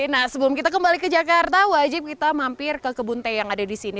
nah sebelum kita kembali ke jakarta wajib kita mampir ke kebun teh yang ada di sini